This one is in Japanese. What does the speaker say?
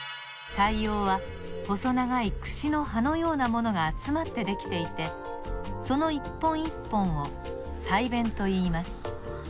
鰓葉は細長いくしの歯のようなものがあつまってできていてこの一本一本を鰓弁といいます。